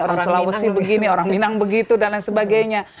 orang sulawesi begini orang minang begitu dan lain sebagainya